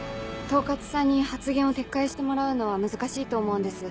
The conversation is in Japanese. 統括さんに発言を撤回してもらうのは難しいと思うんです。